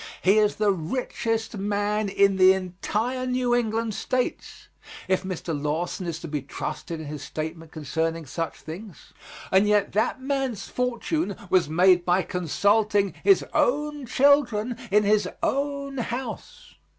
He is the richest man in the entire New England States, if Mr. Lawson is to be trusted in his statement concerning such things, and yet that man's fortune was made by consulting his own children in his own house.